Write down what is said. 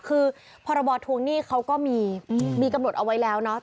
คือพรบทวงหนี้เขาก็มีกำหนดเอาไว้แล้วเนาะ